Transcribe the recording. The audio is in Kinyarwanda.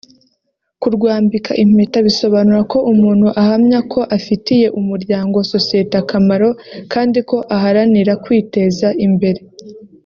Kurwambika impeta bisobanura ko umuntu ahamya ko afitiye umuryango (sosiyete) akamaro kandi ko aharanira kwiteza imbere